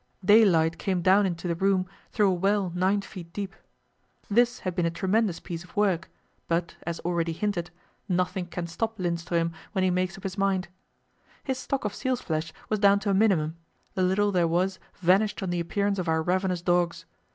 Daylight came down into the room through a well nine feet deep. This had been a tremendous piece of work; but, as already hinted, nothing can stop Lindström when he makes up his mind. His stock of seals' flesh was down to a minimum; the little there was vanished on the appearance of our ravenous dogs.